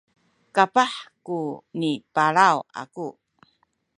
kapah kuni palaw aku